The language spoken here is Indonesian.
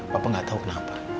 bapak gak tau kenapa